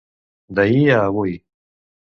D'ahir a avui.